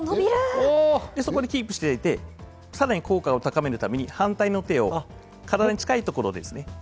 そこでキープしていただいて、さらに効果を高めるために反対の手を、体に近いところですね。